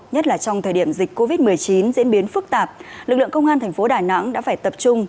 nhất là trong thời điểm dịch covid một mươi chín diễn biến phức tạp lực lượng công an tp đài nẵng đã phải tập trung